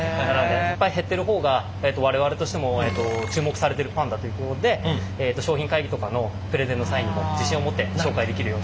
減っている方が我々としても注目されているパンだということで商品会議とかのプレゼンの際にも自信を持って紹介できる。